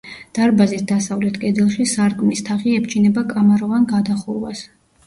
დარბაზის დასავლეთ კედელში სარკმლის თაღი ებჯინება კამაროვან გადახურვას.